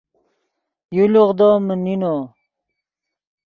یو لوغدو من نینو